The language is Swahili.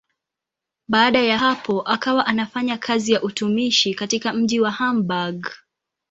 Baada ya hapo akawa anafanya kazi ya utumishi katika mji wa Hamburg.